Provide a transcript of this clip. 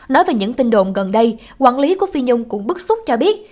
nói về những tin đồn gần đây quản lý của phi dung cũng bức xúc cho biết